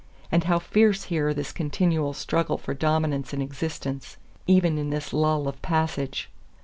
And how fierce here this continual struggle for dominance and existence, even in this lull of passage.